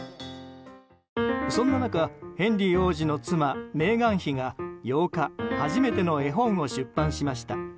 そんな中、ヘンリー王子の妻メーガン妃が８日初めての絵本を出版しました。